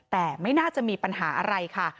แต่ไม่น่าจะมีปัญหาอะไรค่ะ